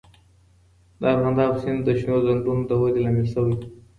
د ارغنداب سیند د شنو ځنګلونو د ودې لامل سوی دی.